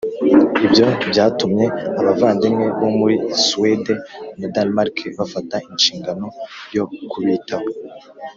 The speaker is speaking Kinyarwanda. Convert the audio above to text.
Ibyo byatumye abavandimwe bo muri Suwede na Danimarike bafata inshingano yo kubitaho